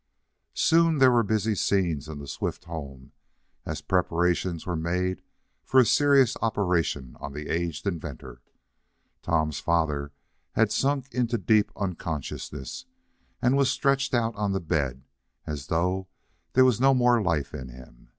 Soon there were busy scenes in the Swift home, as preparations were made for a serious operation on the aged inventor. Tom's father had sunk into deep unconsciousness, and was stretched out on the bed as though there was no more life in him.